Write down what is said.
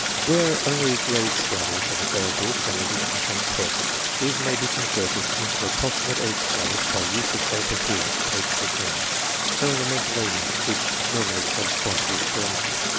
Where only grade standards are available for an edu cational test, these may be converted into approximate age standards by use of Table 3 (page 13), showing the mental ages which normally correspond to each grade.